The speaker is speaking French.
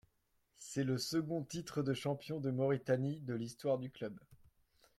C'est le second titre de champion de Mauritanie de l'histoire du club.